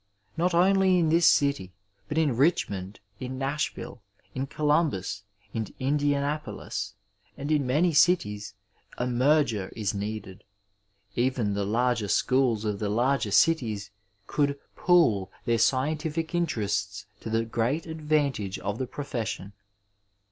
Not only in this city, but in Bichmond, in Nashville, in Columbus, in Indianapolis, and in many cities a merger " is needed. Even the larger schools of the larger cities could " pool " their scientific interests to the great advantage of the profession.